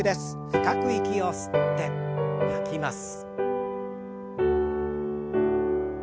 深く息を吸って吐きます。